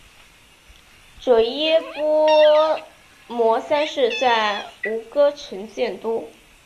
阇耶跋摩三世在吴哥城建都。